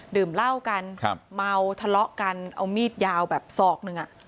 ดื่มเหล้ากันมัวทะเลาะกันเอามีดยาวแบบซอกหนึ่ง